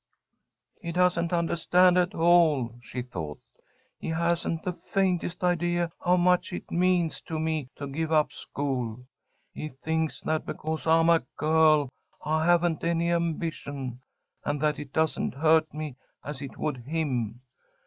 "He doesn't undahstand at all!" she thought. "He hasn't the faintest idea how much it means to me to give up school. He thinks that, because I'm a girl, I haven't any ambition, and that it doesn't hurt me as it would him.